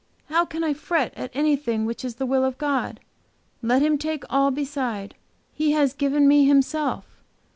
how can I fret at anything which is the will of God? Let Him take all beside, He has given me Himself.